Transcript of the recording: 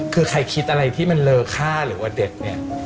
คือใครคิดอะไรที่มันเลอค่าหรือว่าเด็ดเนี่ย